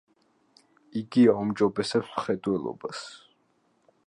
იგი აუმჯობესებს მხედველობას.